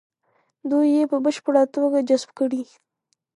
دوی یې په بشپړه توګه جذب کړي.